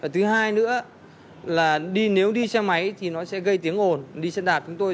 thứ hai nữa là nếu đi xe máy thì nó sẽ gây tiếng ồn